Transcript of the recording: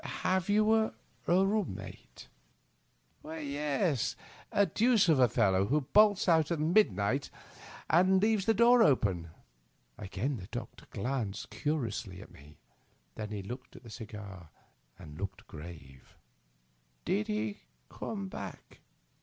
Have you a room mate ?"" Yes ; a deuce of a fellow, who bolts out in the mid dle of the night and leaves the door open." Again the doctor glanced curiously at me. Then he ht the cigar and looked grave. " Did he come back